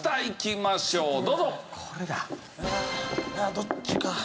どっちか。